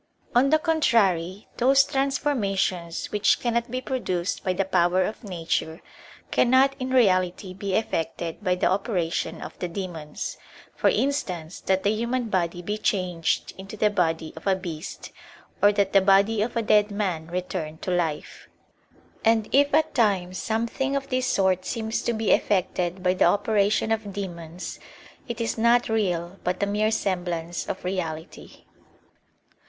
On the contrary, those transformations which cannot be produced by the power of nature, cannot in reality be effected by the operation of the demons; for instance, that the human body be changed into the body of a beast, or that the body of a dead man return to life. And if at times something of this sort seems to be effected by the operation of demons, it is not real but a mere semblance of reality.